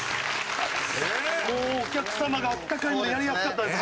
もうお客様が温かいのでやりやすかったです。